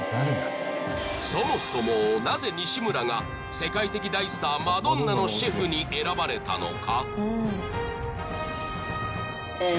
そもそもなぜ西邨が世界的大スターマドンナのシェフに選ばれたのか？